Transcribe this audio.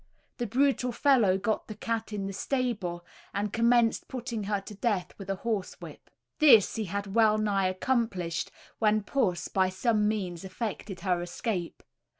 The brutal fellow got the cat in the stable, and commenced putting her to death with a horsewhip. This he had well nigh accomplished, when puss by some means effected her escape.